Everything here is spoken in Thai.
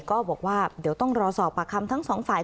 ก็บอกว่าเดี๋ยวต้องรอสอบปากคำทั้งสองฝ่าย